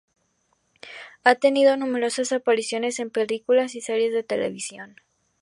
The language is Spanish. Ha tenido numerosas apariciones en películas y series de televisión.